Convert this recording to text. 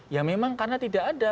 ya memang karena tidak ada